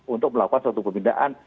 untuk melakukan suatu pembindaan